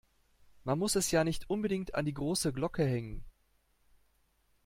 Man muss es ja nicht unbedingt an die große Glocke hängen.